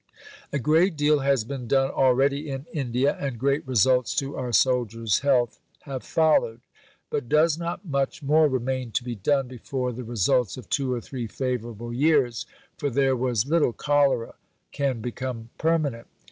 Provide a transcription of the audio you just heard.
A great deal has been done already in India, and great results to our Soldiers' health have followed; but does not much more remain to be done before the results of 2 or 3 favourable years (for there was little cholera) can become permanent?